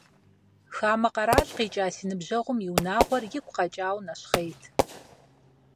Хамэ къэрал къикӏа си ныбжьэгъум и унагъуэр игу къэкӏауэ нэщхъейт…